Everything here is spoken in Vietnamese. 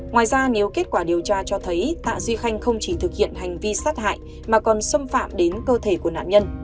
ngoài ra nếu kết quả điều tra cho thấy tạ duy khanh không chỉ thực hiện hành vi sát hại mà còn xâm phạm đến cơ thể của nạn nhân